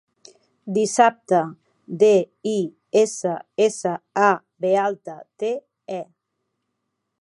Dissabte: de, i, essa, essa, a, be alta, te, e.